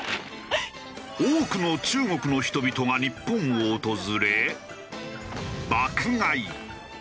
多くの中国の人々が日本を訪れ爆買い。